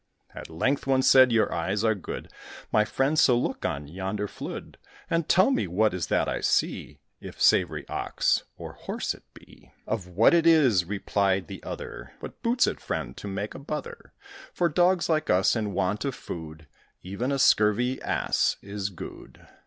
At length one said, "Your eyes are good, My friend, so look on yonder flood, And tell me what is that I see; If savoury ox or horse it be." "Of what it is," replied the other, "What boots it, friend, to make a bother? For dogs like us, in want of food, Even a scurvy Ass is good.